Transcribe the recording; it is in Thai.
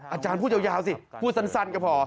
อาจารย์พูดยาวสิพูดสั้นก็พอ